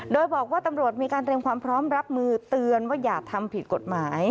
โดยบอกว่าตำรวจมีการเตรียมความพร้อมรับมือเตือนว่าอย่าทำผิดกฎหมาย